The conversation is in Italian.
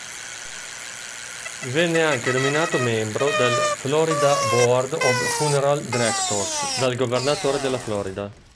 Venne anche nominato membro del "Florida Board of Funeral Directors" dal governatore della Florida.